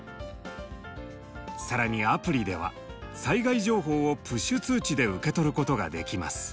更にアプリでは災害情報をプッシュ通知で受け取ることができます。